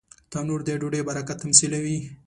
تنور د ډوډۍ برکت تمثیلوي